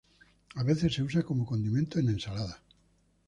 A veces se usa como condimento en ensaladas.